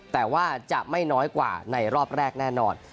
แต่ว่าจะไม่น้อยกว่าในรอบแรกแน่นอน